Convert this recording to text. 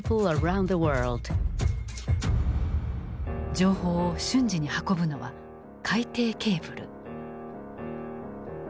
情報を瞬時に運ぶのは海底ケーブル。